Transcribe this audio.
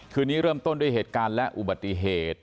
คืนนี้เริ่มต้นด้วยเหตุการณ์และอุบัติเหตุ